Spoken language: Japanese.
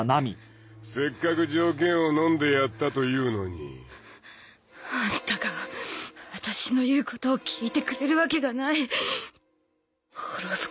せっかく条件をのんでやったというのにアンタが私の言うことを聞いてくれるわけがない滅ぶ